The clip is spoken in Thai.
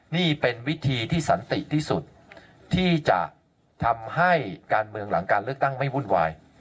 นี่เป็นวิธีที่สันติที่สุดที่จะทำให้การเมืองหลังการเลือกตั้งไม่วุ่นวาย